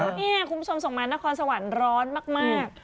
นี่คุณผู้ชมส่งมานครสวรรค์ร้อนมาก